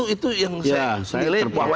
itu yang saya terpaksa